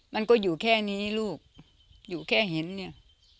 มันก็อยู่แค่นี้ลูกอยู่แค่เห็นเนี่ย